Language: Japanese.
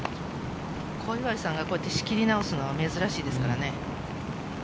小祝さんがこうやって仕切り直すのは珍しいですからね。